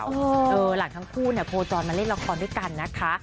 หลังทั้งคู่เนี่ยโคจรมาเล่นละครด้วยกันนะคะ